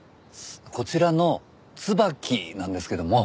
こちらの椿なんですけども。